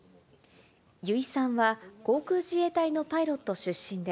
油井さんは、航空自衛隊のパイロット出身で、